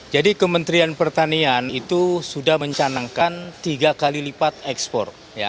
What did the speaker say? jadi kementerian pertanian itu sudah mencanangkan tiga kali lipat ekspor